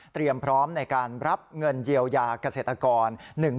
พร้อมในการรับเงินเยียวยาเกษตรกร